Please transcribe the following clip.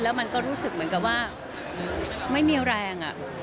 แล้วมันก็รู้สึกเหมือนกับว่าไม่มีแรง